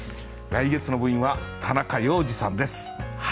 来月の部員は田中要次さんです。